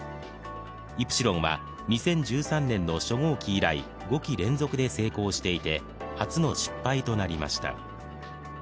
イプシロンは２０１３年の初号機以来５機連続で成功していて、初の失敗となりました。